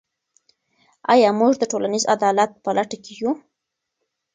آیا موږ د ټولنیز عدالت په لټه کې یو؟